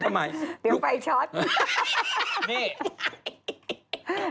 ทำไมลูกเดี๋ยวไฟช็อต